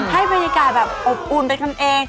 ให้บรรยากาศอบอุ้มเป็นคำเอง